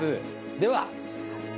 では。